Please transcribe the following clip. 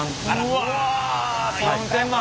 うわ！４，０００万。